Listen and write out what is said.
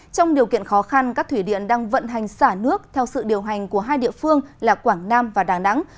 trong điều kiện khó khăn các thủy điện đang vận hành xả nước theo sự điều hành của hai địa phương là quảng nam và đà nẵng